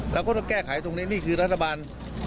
แล้วก็แก้ไขตรงนี้นี่คือรัฐบาล